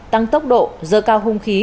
tăng tốc độ dơ cao hung khí